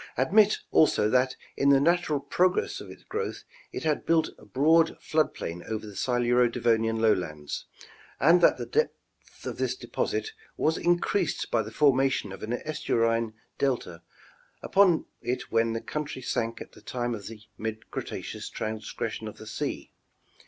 Admit, also, that in the natural progress of its growth it had built a broad flood plain over the Siluro Devonian lowlands, and that the depth of this deposit was increased by the formation of an estuarine delta upon it when the country sank at the time of the mid Cretaceous transgression of the sea.